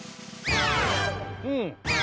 うん。